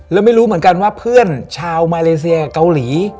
แล้วไม่รู้เหมือนกันว่าเพื่อนชาวมาเลเซียเกาหลี